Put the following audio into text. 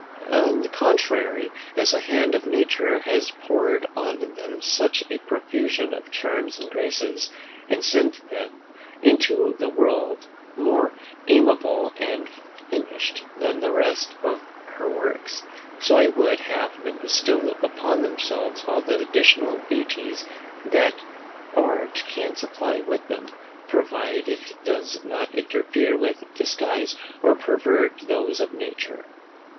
On the contrary, as the hand of nature has poured on them such a profusion of charms and graces, and sent them into the world more amiable and finished than the rest of her works; so I would have them bestow upon themselves all the additional beauties that art can supply them with; provided it does not interfere with disguise, or pervert those of nature.